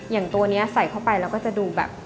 อย่างตัวนี้ใส่เข้าไปเราก็จะดูแบบ